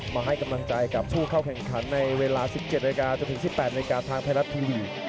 มาให้กำลังใจกับผู้เข้าแข่งขันในเวลา๑๗นาทีจนถึง๑๘นาฬิกาทางไทยรัฐทีวี